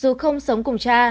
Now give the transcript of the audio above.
dù không sống cùng cha